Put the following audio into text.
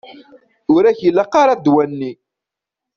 Ur ak-ilaq ara ddwa-nni.